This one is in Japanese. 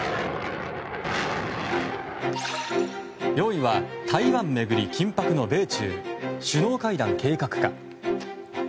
４位は、台湾巡り緊迫の米中首脳会談計画か。